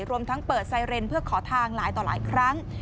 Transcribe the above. รวมทั้งเปิดไซเรนเพื่อขอทางหลายต่อหลายครั้ง